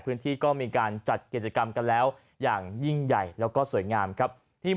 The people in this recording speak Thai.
พื้นที่ก็มีการจัดกิจกรรมกันแล้วอย่างยิ่งใหญ่แล้วก็สวยงามครับที่